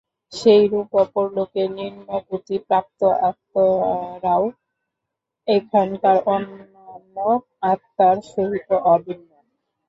সেইরূপ অপর লোকে নিম্নগতি-প্রাপ্ত আত্মারাও এখানকার অন্যান্য আত্মার সহিত অভিন্ন।